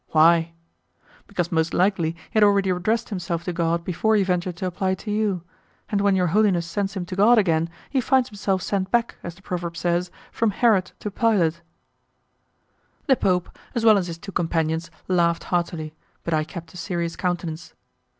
"Why?" "Because most likely he had already addressed himself to God before he ventured to apply to you; and when Your Holiness sends him to God again, he finds himself sent back, as the proverb says, from Herod to Pilate." The Pope, as well as his two companions, laughed heartily; but I kept a serious countenance.